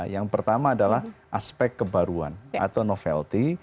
yang pertama adalah aspek kebaruan atau novelty